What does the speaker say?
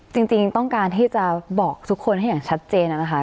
จริงต้องการที่จะบอกทุกคนให้อย่างชัดเจนนะคะ